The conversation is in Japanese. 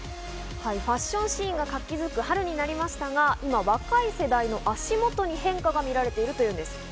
ファッションシーンが活気づく春になりましたが、今若い世代の足元に変化が見られているというんです。